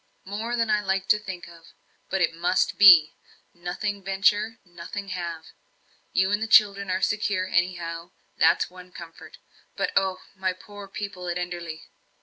"More than I like to think of. But it must be; nothing venture nothing have. You and the children are secure anyhow, that's one comfort. But oh, my poor people at Enderley!"